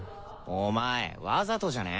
お前わざとじゃね？